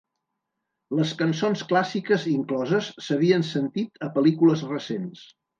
Les cançons clàssiques incloses s'havien sentit a pel·lícules recents.